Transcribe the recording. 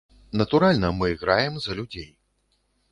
Натуральна, мы граем за людзей.